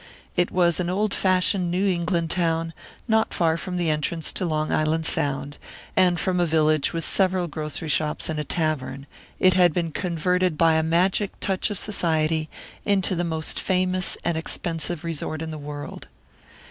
It was an old fashioned New England town, not far from the entrance to Long Island Sound, and from a village with several grocery shops and a tavern, it had been converted by a magic touch of Society into the most famous and expensive resort in the world.